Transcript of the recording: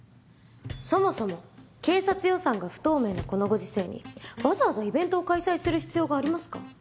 そもそも警察予算が不透明なこのご時世にわざわざイベントを開催する必要がありますか？